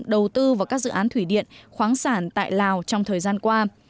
đầu tư vào các dự án thủy điện khoáng sản tại lào trong thời gian qua